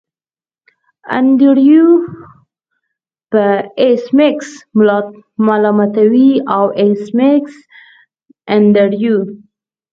انډریو به ایس میکس ملامتوي او ایس میکس انډریو